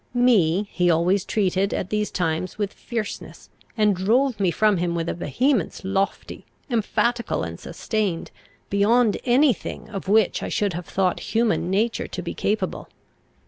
Me he always treated, at these times, with fierceness, and drove me from him with a vehemence lofty, emphatical, and sustained, beyond any thing of which I should have thought human nature to be capable.